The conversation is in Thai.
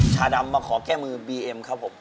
ชาดำมาขอแก้มือบีเอ็มครับผม